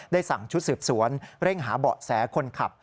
สั่งชุดสืบสวนเร่งหาเบาะแสคนขับ